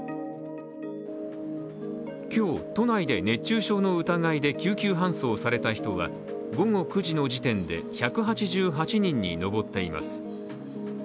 今日都内で熱中症の疑いで救急搬送された人は午後９時の時点で１８８人に上っています。